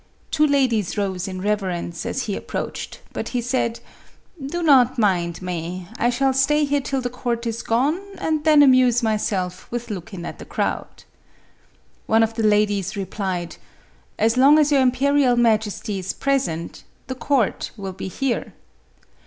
Two ladies rose in reverence, as he approached; but he said, "Do not mind me ; I shall stay here till the court is gone, and then amuse myself with looking at the crowd." One of the ladies replied, " As long as your imperial ma jesty is present, the court will be here."